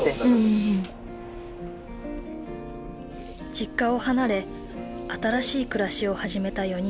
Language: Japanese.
実家を離れ新しい暮らしを始めた４人。